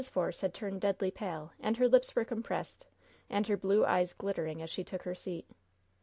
Force had turned deadly pale, and her lips were compressed and her blue eyes glittering as she took her seat.